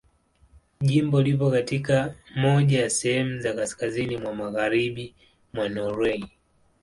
Jimbo lipo katika moja ya sehemu za kaskazini mwa Magharibi mwa Norwei.